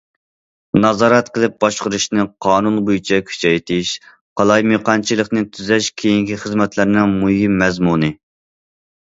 نازارەت قىلىپ باشقۇرۇشنى قانۇن بويىچە كۈچەيتىش، قالايمىقانچىلىقنى تۈزەش كېيىنكى خىزمەتلەرنىڭ مۇھىم مەزمۇنى.